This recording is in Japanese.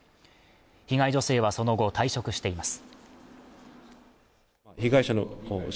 被害女性はその後退職しています